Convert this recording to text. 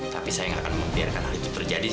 tapi saya nggak akan membiarkan hal itu terjadi